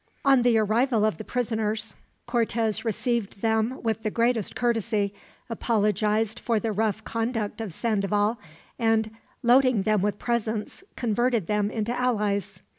On the arrival of the prisoners, Cortez received them with the greatest courtesy, apologized for the rough conduct of Sandoval and, loading them with presents, converted them into allies.